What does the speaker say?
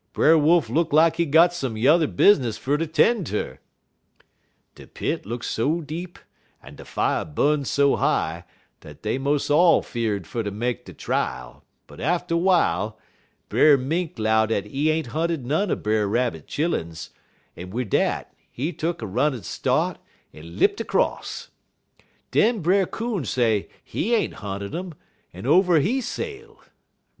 Brer Wolf look lak he got some yuther business fer ter 'ten' ter. "De pit look so deep, en de fier bu'n so high, dat dey mos' all 'fear'd fer ter make de trial, but atter w'ile, Brer Mink 'low dat he ain't hunted none er Brer Rabbit chilluns, en wid dat, he tuck runnin' start, en lipt across. Den Brer Coon say he ain't hunted um, en over he sailed.